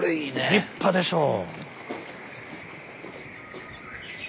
立派でしょう。